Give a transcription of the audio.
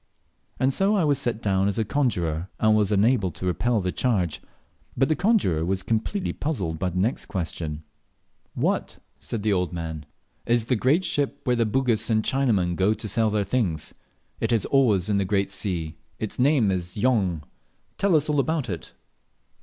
And so I was set down as a conjurer, and was unable to repel the charge. But the conjurer was completely puzzled by the next question: "What," said the old man, "is the great ship, where the Bugis and Chinamen go to sell their things? It is always in the great sea its name is Jong; tell us all about it."